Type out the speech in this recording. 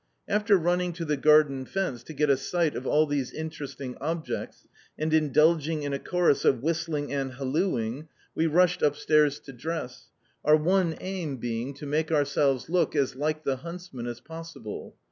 After running to the garden fence to get a sight of all these interesting objects, and indulging in a chorus of whistling and hallooing, we rushed upstairs to dress our one aim being to make ourselves look as like the huntsmen as possible.